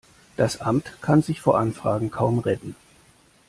Das Amt kann sich vor Anfragen kaum retten.